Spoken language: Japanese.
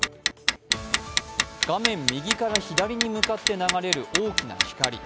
画面右から左に向かって流れる大きな光。